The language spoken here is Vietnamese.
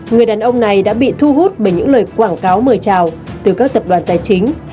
người đàn ông này đã bị thu hút bởi những lời quảng cáo mời trào từ các tập đoàn tài chính